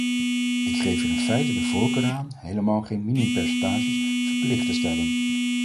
Ik geef er in feite de voorkeur aan helemaal geen minimumpercentages verplicht te stellen.